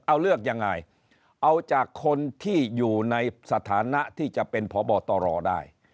เอาเลือกยังไงเอาจากคนที่อยู่ในสถานะที่จะเป็นพบตรได้